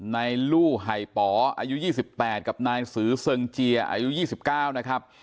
ลู่ไห่ป๋ออายุ๒๘กับนายสือเซิงเจียอายุ๒๙นะครับ